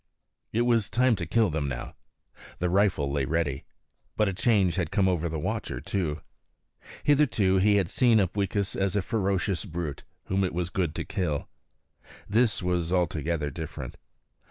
It was time to kill them now. The rifle lay ready. But a change had come over the watcher too. Hitherto he had seen Upweekis as a ferocious brute, whom it was good to kill. This was altogether different.